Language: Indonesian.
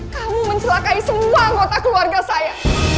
kamu mencelakai semua anggota keluarga saya